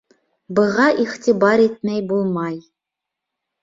Быға иғтибар итмәй булмай.